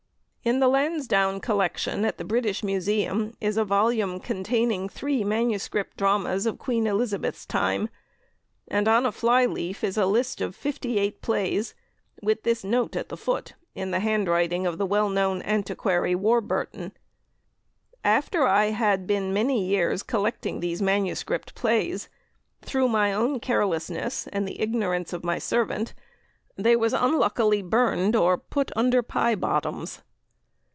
In the Lansdowne Collection at the British Museum is a volume containing three manuscript dramas of Queen Elizabeth's time, and on a fly leaf is a list of fifty eight plays, with this note at the foot, in the handwriting of the well known antiquary, Warburton: "After I had been many years collecting these Manuscript Playes, through my own carelessness and the ignorance of my servant, they was unluckely burned or put under pye bottoms."